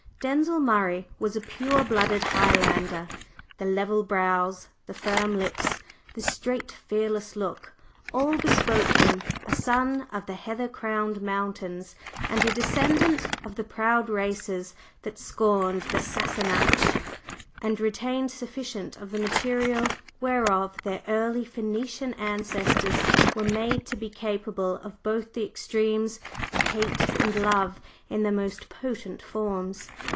Denzil Murray was a pure blooded Highlander, the level brows, the firm lips, the straight, fearless look, all bespoke him a son of the heather crowned mountains and a descendant of the proud races that scorned the "Sassenach," and retained sufficient of the material whereof their early Phœnician ancestors were made to be capable of both the extremes of hate and love in their most potent forms.